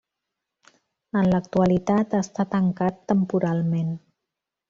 En l'actualitat està tancat temporalment.